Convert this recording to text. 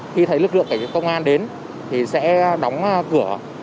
khi thấy lực lượng cảnh công an đến thì sẽ đóng cửa